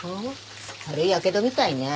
軽いやけどみたいね。